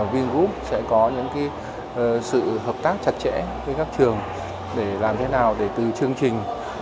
vì group sẽ có những cái sự hợp tác chặt chẽ với các trường để làm thế nào để từ chương trình